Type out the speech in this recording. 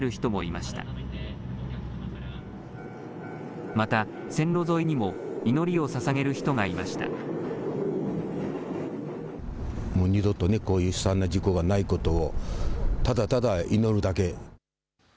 また線路沿いにも祈りをささげる人がいました。